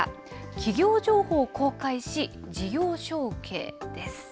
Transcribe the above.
企業情報公開し事業承継です。